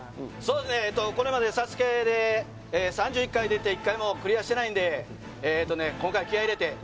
これまで「ＳＡＳＵＫＥ」で３１回出て１回もクリアしてないので今回、気合い入れて。